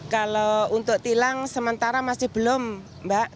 kalau untuk tilang sementara masih belum mbak